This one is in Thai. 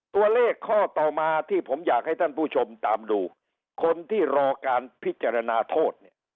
ตัวเลขข้อต่อมาที่ผมอยากให้ท่านผู้ชมตามดูคนที่รอการพิจารณาโทษเนี่ย